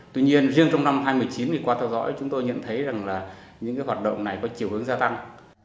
tuy nhiên riêng trong năm hai nghìn một mươi chín thì qua theo dõi chúng tôi nhận thấy rằng là những hoạt động này có chiều hướng gia tăng